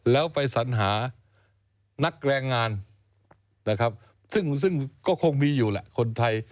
แล้วไปสัญหานักแรงงานนะครับซึ่งก็คงมีอยู่แหละคนไทย